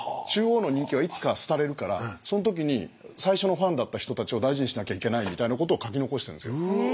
中央の人気はいつか廃れるからその時に最初のファンだった人たちを大事にしなきゃいけないみたいなことを書き残しているんですよ。